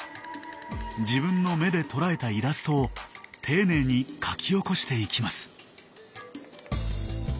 自分の目で捉えたイラストを丁寧に描き起こしていきます。